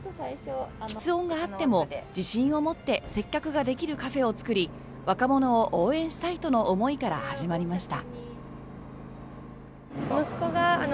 きつ音があっても自信を持って接客ができるカフェを作り若者を応援したいとの思いから始まりました。